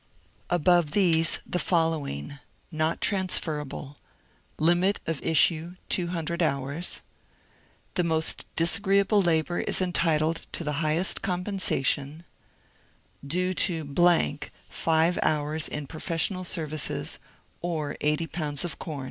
Above these the following :^^ Not transferable ;"^^ Limit of issue 200 hours ;"^* The most disagreeable labor is entitled to the high est compensation ;"" Due to Five Hours in Profes sional Services or 80 Pounds of Com."